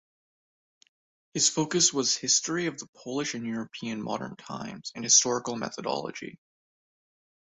His focus was history of the Polish and European modern times and historical methodology.